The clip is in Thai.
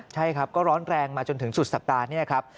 ใช่ครับก็ร้อนแรงมาจนถึงสุดสัปดาห์นี้ครับ